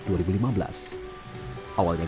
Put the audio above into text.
awalnya gerakan sosial